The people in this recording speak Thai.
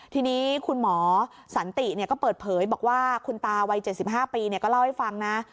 ทีนี้คุณหมอสันติเนี่ยก็เปิดเผยบอกว่าคุณตาวัยเจ็ดสิบห้าปีเนี่ยก็เล่าให้ฟังนะ